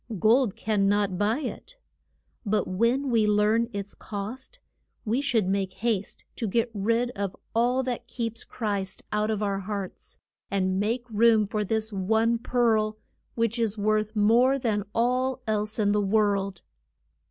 Gold can not buy it. But when we learn its cost we should make haste to get rid of all that keeps Christ out of our hearts, and make room for this one pearl, which is worth more than all else in the world.